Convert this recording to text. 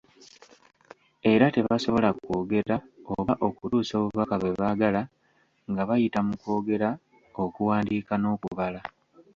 Era tebasobola kwogera oba okutuusa obubaka bwe baagala nga bayita mu kwogera, okuwandiika n’okubala.